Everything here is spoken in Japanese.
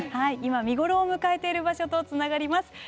今、見頃を迎えている場所とつながります。